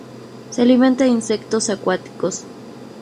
Se alimenta de insectos acuáticos.